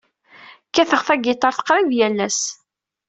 Kkateɣ tagiṭart qrib yal ass.